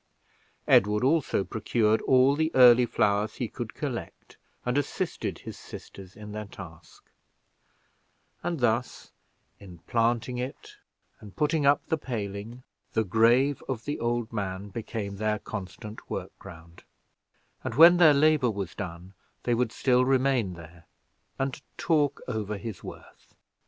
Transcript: Edward also procured all the early flowers he could collect, and assisted his sisters in their task; and thus, in planting it, and putting up the paling, the grave of the old man became the constant work ground; and when their labor was done, they would still remain there and talk over his worth.